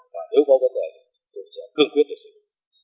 và nếu có vấn đề gì thì sẽ cương quyết được xử lý